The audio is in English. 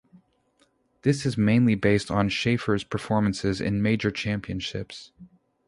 This is mainly based on Shafer’s performances in major championships.